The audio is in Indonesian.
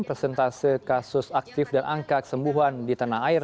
persentase kasus aktif dan angka kesembuhan di tanah air